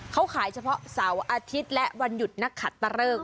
เขาขายเฉพาะเสาร์อาทิตย์และวันหยุดนักขัดตะเริก